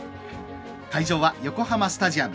会場は横浜スタジアム。